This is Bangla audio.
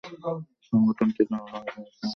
সংগঠন থেকে আল-লিসান নামক একটি ম্যাগাজিন প্রকাশিত হত।